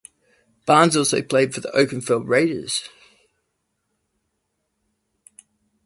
Barnes also played for the Oakland Raiders.